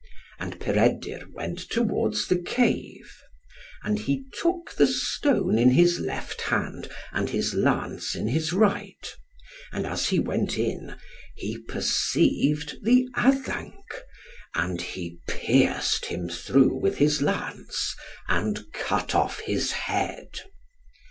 And Peredur went towards the cave. And he took the stone in his left hand, and his lance in his right. And as he went in, he perceived the Addanc, and he pierced him through with his lance, and cut off his head.